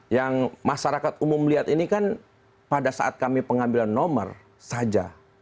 yang masyarakat umum lihat ini kan pada saat kami pengambilan nomor saja